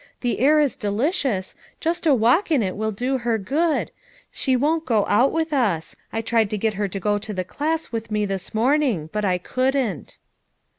The air is delicious, just a walk in it Avill do her good j she won't go FOUR MOTHERS AT CHAUTAUQUA 247 out with us; I tried to get her to go to the class with me this morning, but I couldn't."